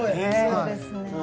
そうですね。